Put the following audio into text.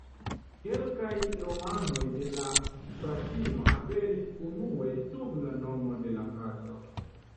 Kelkaj romanoj de la fratino aperis unue sub la nomo de la frato.